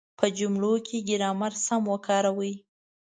په جملو کې ګرامر سم وکاروئ.